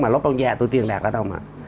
mà lúc ông già tôi tiền đạt đó đâu mà